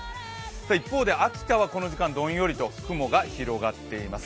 一方で秋田はこの時間、どんよりと雲が広がっています。